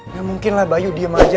ya mungkin lah bayu diem aja